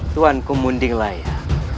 tuan kumunding layak